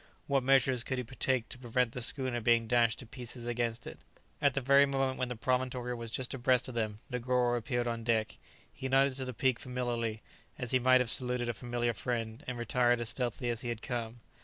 What measures could he take to prevent the schooner being dashed to pieces against it? [Illustration: "There! look there!"] At the very moment when the promontory was just abreast of them, Negoro appeared on deck; he nodded to the peak familiarly, as he might have saluted a familiar friend, and retired as stealthily as he had come.